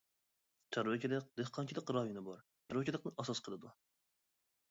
چارۋىچىلىق، دېھقانچىلىق رايونى بار، چارۋىچىلىقنى ئاساس قىلىدۇ.